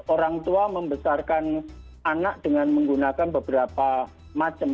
orang tua membesarkan anak dengan menggunakan beberapa macam